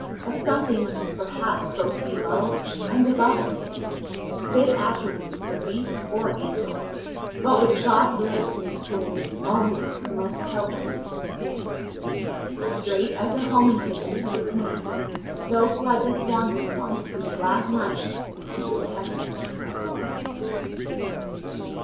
A something which is perhaps both below and above reason, fit attribute for beast or angel, but which God grants in its fullness only to the most helpless of his creatures. Straight as a homing pigeon to its mate, so fled this wandering one through the black night into the heaven of home.